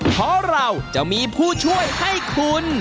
เพราะเราจะมีผู้ช่วยให้คุณ